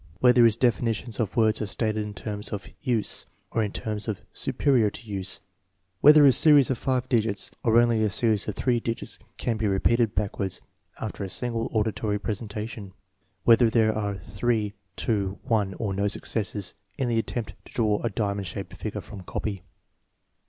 Whether his definitions of words are stated in terms of "use" or in terms "su perior to use "? Whether a series of five digits or only a series of three digits can be repeated backwards after a single auditory presentation? Whether there are three, two, one, or no successes in the attempt to draw a diamond shaped figure from copy?